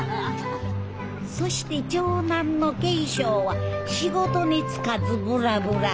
そして長男の恵尚は仕事につかずブラブラ。